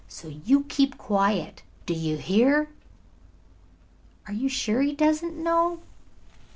So you keep quiet; do you hear?" "Are you sure he doesn't know?"